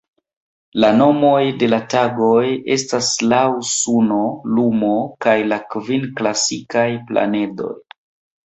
La nomoj de la tagoj estas laŭ suno, luno kaj la kvin klasikaj planedoj.